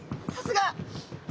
さすが！